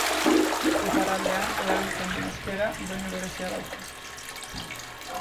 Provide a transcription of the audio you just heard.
Iparraldean, erabiltzen den euskera doinu berezia dauka